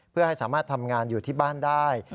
เพื่อให้สามารถทำงานอยู่ที่บ้านได้